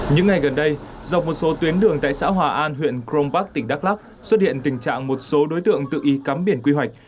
những ngày gần đây dọc một số tuyến đường tại xã hòa an huyện crong park tỉnh đắk lắk xuất hiện tình trạng một số đối tượng tự ý cắm biển quy hoạch